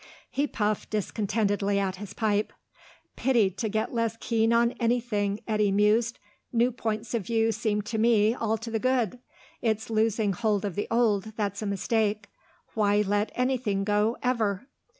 He puffed discontentedly at his pipe. "Pity to get less keen on anything," Eddy mused. "New points of view seem to me all to the good; it's losing hold of the old that's a mistake. Why let anything go, ever?"